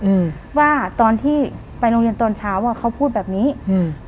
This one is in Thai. อืมว่าตอนที่ไปโรงเรียนตอนเช้าอ่ะเขาพูดแบบนี้อืม